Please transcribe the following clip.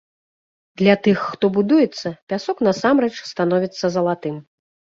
Для тых, хто будуецца, пясок насамрэч становіцца залатым.